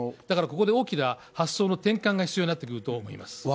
だから、ここで大きな発想の転換が必要になってくると思います。